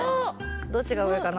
どっちがうえかな？